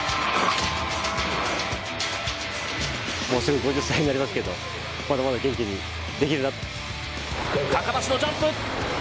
もうすぐ５０歳になりますけど、まだまだ元気にできるな。